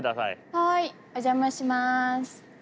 はいお邪魔します。